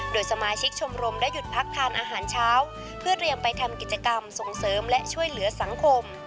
โดยสมาชิกชมรมได้หยุดพักทานอาหารเช้าเพื่อเตรียมไปทำกิจกรรมส่งเสริมและช่วยเหลือสังคม